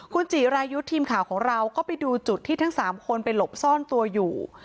คุณจิรายุทธ์ทีมข่าวของเราก็ไปดูจุดที่ทั้ง๓คนไปหลบซ่อนตัวอยู่